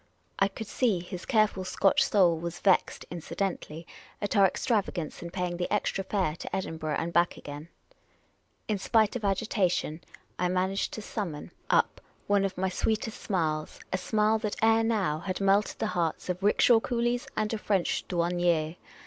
I could see his careful Scotch soul was vexed (incidentally) at our extravagance in paying the extra fare to Edinburgh and back again. In spite of agitation, I managed to summon YOU CAN T GET OUT UEKE, HE SAID, CRUSTILY. Up one of my sweetest smiles — a smile that ere now had melted the hearts of rickshaw coolies and of French douanicrs.